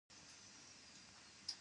د تورې دانې ګل د هر درد لپاره وکاروئ